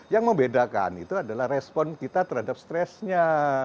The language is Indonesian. yang membedakan itu adalah respon kita terhadap stresnya